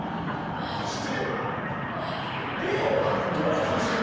失礼かなと思って。